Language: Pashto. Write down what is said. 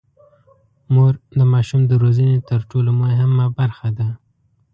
مور د ماشوم د روزنې تر ټولو مهمه برخه ده.